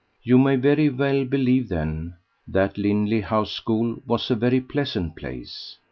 You may very well believe, then, that Lindley House School was a very pleasant place.